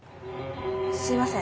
すいません